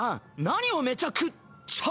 何をめちゃくちゃ。